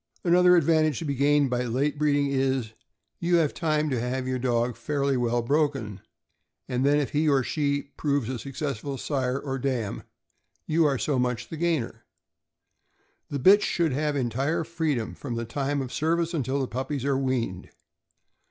Another advantage to be gained by late breeding is, you have time to have your dog fairly well broken, and then if he or she proves a successful sire or dam, you are so much the gainer. THE CHESAPEAKE BAY DOG. 369 The bitch should have entire freedom from the time of service until the puppies are weaned.